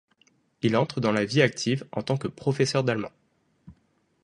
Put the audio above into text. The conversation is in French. Il entre dans la vie active en tant que professeur d'allemand.